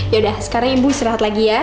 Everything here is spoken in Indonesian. yaudah sekarang ibu istirahat lagi ya